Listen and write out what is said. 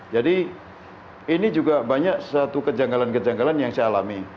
jadi ini juga banyak satu kejanggalan kejanggalan yang saya alami